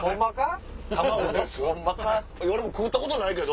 俺も食うたことないけど。